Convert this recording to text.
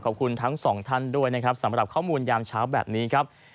ขอบคุณทั้งสองท่านด้วยนะครับสำหรับข้อมูลยามเช้าแบบนี้ครับ